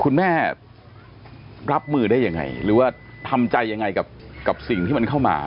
คุณแม่รับมือได้ยังไงหรือว่าทำใจยังไงกับสิ่งที่มันเข้ามา